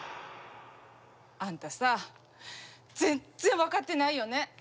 あんたさ全然分かってないよね